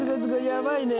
やばいね。